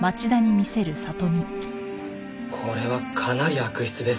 これはかなり悪質ですね。